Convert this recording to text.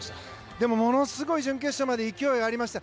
でもものすごく準決勝まで勢いがありました。